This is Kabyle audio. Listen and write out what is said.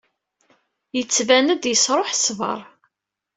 Yettban-d yesṛuḥ ṣṣber.